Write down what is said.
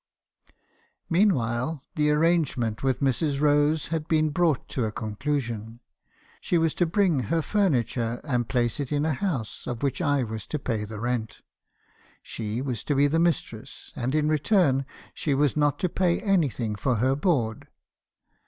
"Meanwhile, the arrangement with Mrs. Rose had been brought to a conclusion. She was to bring her furniture , and place it in a house , of which I was to pay the rent. She was to be the mistress, and in return, she was not to pay anything for her board.